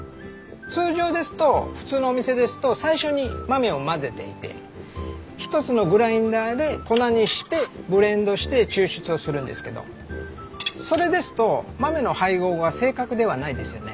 通常ですと普通のお店ですと最初に豆を混ぜていて１つのグラインダーで粉にしてブレンドして抽出するんですけどそれですと豆の配合は正確ではないですよね。